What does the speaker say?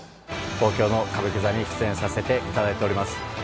東京の歌舞伎座に出演させていただいております。